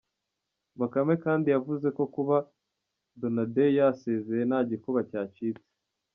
Bakame kandi yavuze ko kuba Donadei yasezeye, nta gikuba cyacitse.